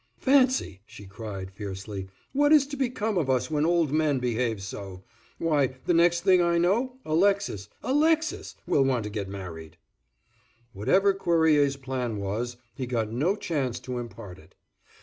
"Fancy!" she cried, fiercely, "what is to become of us when old men behave so. Why, the next thing I know, Alexis—Alexis will want to get married." Whatever Cuerrier's plan was, he got no chance to impart it.